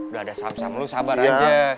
udah ada sam sam lu sabar aja